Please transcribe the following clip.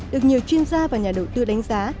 được nhiều chuyên gia và nhà đầu tư đánh giá